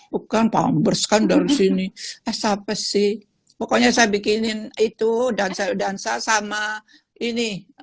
bukan pampers kan dari sini eh siapa sih pokoknya saya bikinin itu dansau dansa sama ini